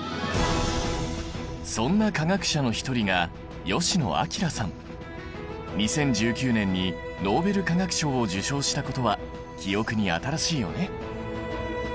そんな化学者の一人が２０１９年にノーベル化学賞を受賞したことは記憶に新しいよね。